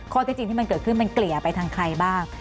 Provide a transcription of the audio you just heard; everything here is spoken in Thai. ที่จริงที่มันเกิดขึ้นมันเกลี่ยไปทางใครบ้าง